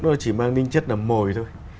nó chỉ mang tinh chất là mồi thôi